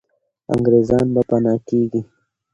انګریزان به پنا کېږي.